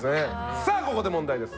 さあここで問題です！